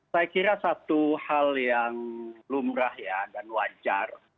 saya kira satu hal yang lumrah ya dan wajar